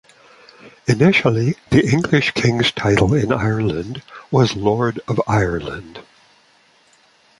Initially, the English king's title in Ireland was "Lord of Ireland".